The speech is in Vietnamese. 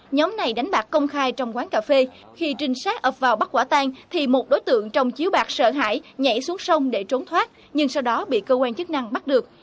nhóm này đánh bạc công khai trong quán cà phê khi trinh sát ập vào bắt quả tan thì một đối tượng trong chiếu bạc sợ hãi nhảy xuống sông để trốn thoát nhưng sau đó bị cơ quan chức năng bắt được